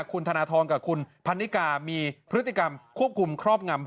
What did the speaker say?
คุณธนทรกับคุณพันนิกามีพฤติกรรมควบคุมครอบงำ